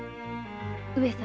上様